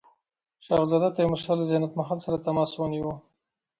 شهزاده تیمورشاه له زینت محل سره تماس ونیو.